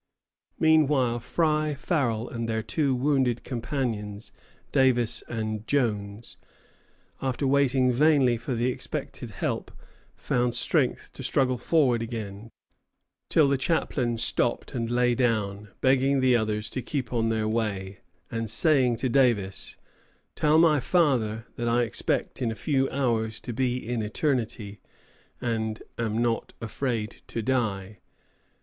Meanwhile Frye, Farwell, and their two wounded companions, Davis and Jones, after waiting vainly for the expected help, found strength to struggle forward again, till the chaplain stopped and lay down, begging the others to keep on their way, and saying to Davis, "Tell my father that I expect in a few hours to be in eternity, and am not afraid to die."